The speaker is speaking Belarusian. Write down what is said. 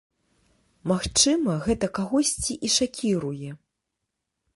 Магчыма, гэта кагосьці і шакіруе.